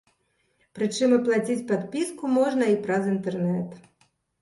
Прычым аплаціць падпіску можна і праз інтэрнэт.